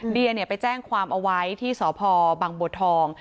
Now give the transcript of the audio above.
เดียไปแจ้งความเอาไว้ที่สพบังบัวทอง